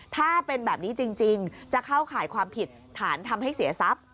ถ้าเป็นแบบนี้จริงจะเข้าข่ายความผิดฐานทำให้เสียทรัพย์